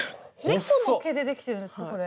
猫の毛でできてるんですかこれ。